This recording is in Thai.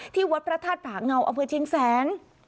ที่วัดประธาตุผาเงาอเมืองเชียงแสน